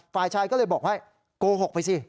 ฝ่ายชายก็เลยบอกว่าโกหกไปสิ